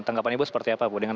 tengkapan ibu seperti apa bu